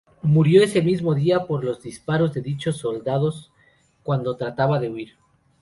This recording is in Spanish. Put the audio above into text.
Murió ese mismo día por los disparos de dichos soldados cuando trataba de huir.